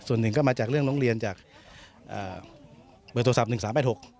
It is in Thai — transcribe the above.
ส่วนหนึ่งก็มาจากเรื่องโรงเรียนจากเบอร์โทรศัพท์๑๓๘๖